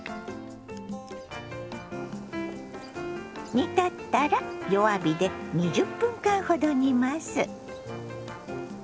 煮立ったら弱火で２０分間ほど煮ます。